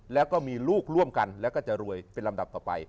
แล้วก็มีลูกร่วมกันแล้วก็จะรวยเป็นลำดับต่อไป